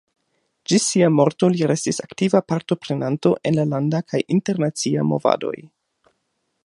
Ĝis sia morto li restis aktiva partoprenanto en la landa kaj internacia movadoj.